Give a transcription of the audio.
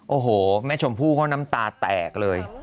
โอ้โหแม่ชมพู่เขาน้ำตาแตกเลย